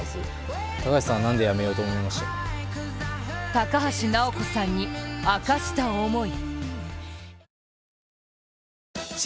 高橋尚子さんに明かした思い。